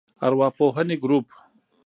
ارواپوهنې ګروپ